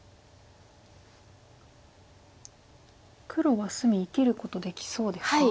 黒は隅生きることできそうですか？